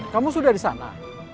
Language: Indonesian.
kamu sudah di sana